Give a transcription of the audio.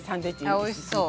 あおいしそう。